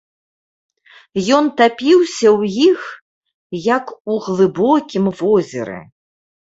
Ён тапіўся ў іх, як у глыбокім возеры.